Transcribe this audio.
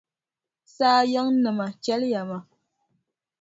Saa yiŋnima chɛliya ma.